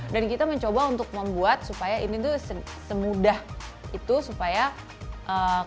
dan kita mencoba untuk membuat supaya ini tuh semudah itu supaya ketika dimasak